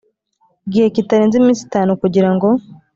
gihe kitarenze iminsi itanu kugirango